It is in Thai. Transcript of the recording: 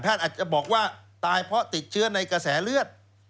อาจจะบอกว่าตายเพราะติดเชื้อในกระแสเลือด